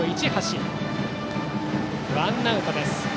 ワンアウトです。